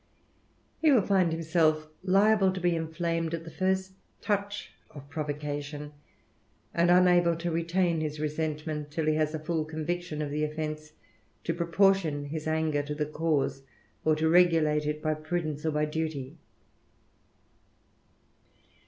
He will find himself liable to be inflamed at the 'irst toncii of provocation, and unable to retain his resent *tacnl, till he has a full conviction of the offence, to pro (lortion his anger to the cause, or to regulate it by prudence Or by duty.